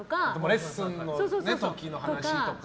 レッスンの時の話とか。